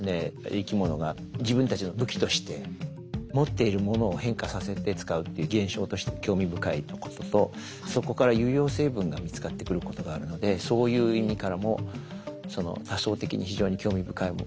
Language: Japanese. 生き物が自分たちの武器として持っているものを変化させて使うっていう現象として興味深いこととそこから有用成分が見つかってくることがあるのでそういう意味からも多層的に非常に興味深い対象だと思って研究してます。